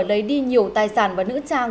lấy đi nhiều tài sản và nữ trang